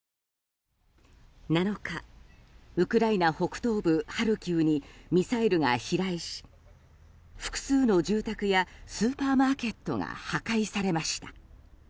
７日ウクライナ北東部ハルキウにミサイルが飛来し複数の住宅やスーパーマーケットが破壊されました。